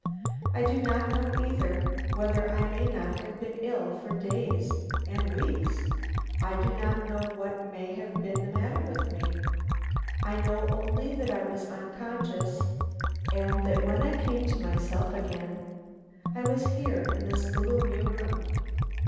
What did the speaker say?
I do not know either whether I may not have been ill for days and weeks; I do not know what may have been the matter with me I know only that I was unconscious, and that when I came to myself again, I was here in this gloomy room.